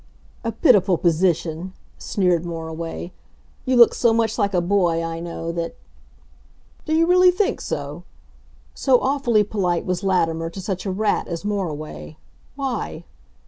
"A pitiful position," sneered Moriway. "You look so much like a boy I know that " "Do you really think so?" So awfully polite was Latimer to such a rat as Moriway. Why?